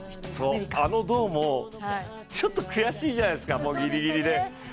あの銅も、ちょっと悔しいじゃないですか、ギリギリで。